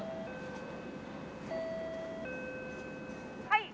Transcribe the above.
「はい」